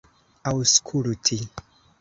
aŭskulti